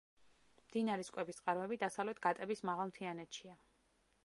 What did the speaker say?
მდინარის კვების წყაროები დასავლეთ გატების მაღალ მთიანეთშია.